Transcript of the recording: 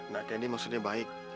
nak endi maksudnya baik